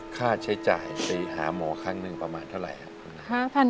ค่าใช้จ่ายไปหาหมอครั้งหนึ่งประมาณเท่าไหร่ครับ